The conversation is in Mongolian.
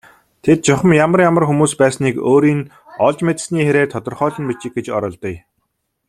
Тэд чухам ямар ямар хүмүүс байсныг өөрийн олж мэдсэний хэрээр тодорхойлон бичих гэж оролдъё.